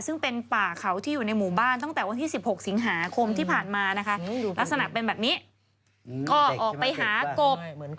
ซึ่งเป็นป่าเขาที่อยู่ในหมู่บ้านตั้งแต่วันที่๑๖สิงหาคมที่ผ่านมานะคะลักษณะเป็นแบบนี้ก็ออกไปหากบ